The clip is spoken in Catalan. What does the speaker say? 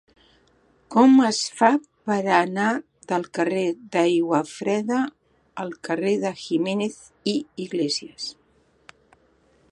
Com es fa per anar del carrer d'Aiguafreda al carrer de Jiménez i Iglesias?